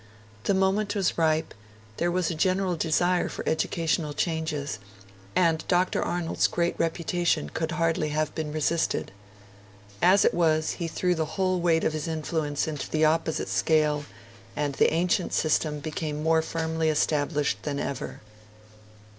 The moment was ripe; there was a general desire for educational changes; and Dr. Arnold's great reputation could hardly have been resisted. As it was, he threw the whole weight of his influence into the opposite scale, and the ancient system became more firmly established than ever.